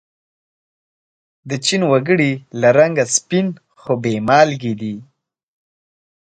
د چین و گړي له رنگه سپین خو بې مالگې دي.